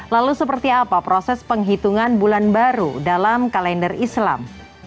lalu seperti apa proses penghitungan bulan baru dalam kalender islam